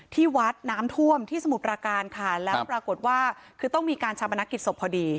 ที่วัดน้ำท่วมที่สมุทรประการค่ะแล้วปรากฏว่าคือต้องมีการชาปนักกิจศพพอดี